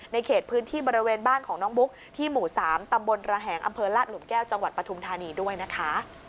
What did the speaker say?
เขตพื้นที่บริเวณบ้านของน้องบุ๊กที่หมู่๓ตำบลระแหงอำเภอลาดหลุมแก้วจังหวัดปฐุมธานีด้วยนะคะ